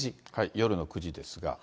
夜の９時ですが。